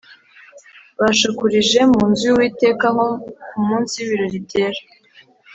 Bashakurije mu nzu y’Uwiteka nko ku munsi w’ibirori byera.